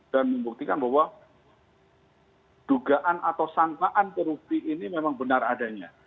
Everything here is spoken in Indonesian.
dan membuktikan bahwa dugaan atau sangkaan terhukum ini memang benar adanya